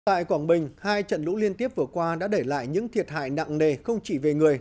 tại quảng bình hai trận lũ liên tiếp vừa qua đã để lại những thiệt hại nặng nề không chỉ về người